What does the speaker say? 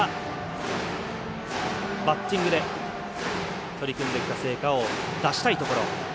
バッティングで取り組んできた成果を出したいところ。